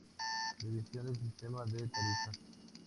Revisión del sistema de tarifas.